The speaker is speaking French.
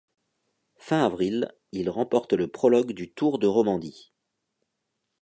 Fin avril, il remporte le prologue du Tour de Romandie.